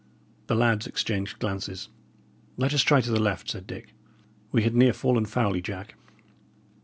The lads exchanged glances. "Let us try to the left," said Dick. "We had near fallen foully, Jack."